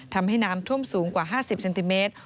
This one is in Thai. ทำให้น้ำท่วมสูงกว่า๕๐เซนติเมตร